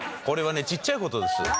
これはねちっちゃい事です。